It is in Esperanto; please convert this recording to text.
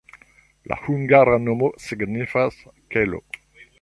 La hungara nomo signifas: kelo.